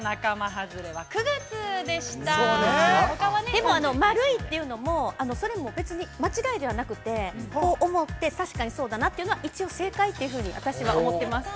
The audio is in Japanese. ◆でも丸いっていうのも、それも別に間違いではなくてこう思って、確かにそうだなというのは一応正解というふうに私は思っています。